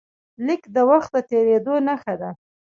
لیک د وخت د تېرېدو نښه ده.